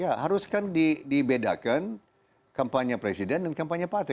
ya harus kan dibedakan kampanye presiden dan kampanye partai